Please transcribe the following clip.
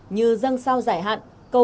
như dân sao giải hạn cầu bình an sức khỏe